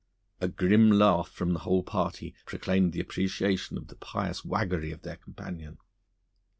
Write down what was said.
A grim laugh from the whole party proclaimed their appreciation of the pious waggery of their companion.